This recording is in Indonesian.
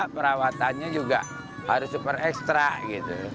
perawatannya juga harus super ekstra gitu